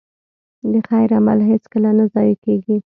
د خیر عمل هېڅکله نه ضایع کېږي.